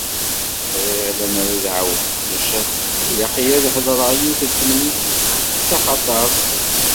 Bɣiɣ lemmer ad d-εawneɣ, maca ilaq-iyi ad ḥeḍreɣ yiwet n temlilit d taxatart.